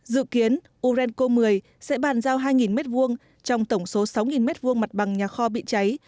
dự kiến urenco một mươi sẽ bàn giao hai m hai trong tổng số sáu m hai mặt bằng nhà kho bị cháy